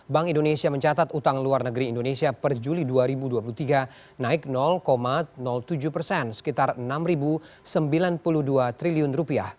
bank indonesia mencatat utang luar negeri indonesia per juli dua ribu dua puluh tiga naik tujuh persen sekitar rp enam sembilan puluh dua triliun